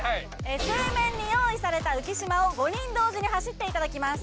水面に用意された浮島を５人同時に走っていただきます